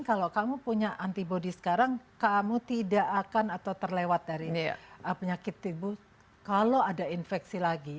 kalau kamu punya antibody sekarang kamu tidak akan atau terlewat dari penyakit tubuh kalau ada infeksi lagi